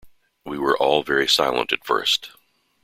We were all very silent at first.